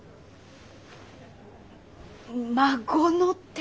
孫の手？